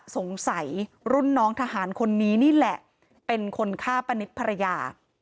สงสัยรุ่นน้องทหารคนนี้นี่แหละเป็นคนฆ่าป้านิตภรรยา